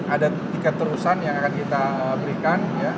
ada tiket terusan yang akan kita berikan